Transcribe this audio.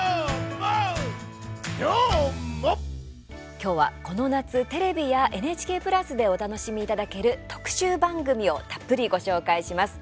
今日は、この夏テレビやＮＨＫプラスでお楽しみいただける特集番組をたっぷりご紹介します。